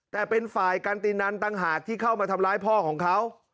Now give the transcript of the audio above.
แต่เป็นฝ่ายกันตินันต่างหากที่เข้ามาทำร้ายพ่อของเขา